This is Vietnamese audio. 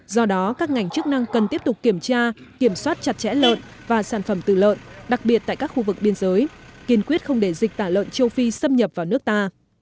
do đó các ngành chức năng cần tiếp tục kiểm tra kiểm soát chặt chẽ lợn và sản phẩm từ lợn đặc biệt tại các khu vực biên giới kiên quyết không để dịch tả lợn châu phi xâm nhập vào nước ta